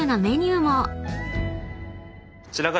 こちらが。